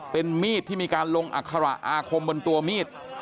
เป็นมีดที่มีการลงอัคระอาคมบนตัวมีด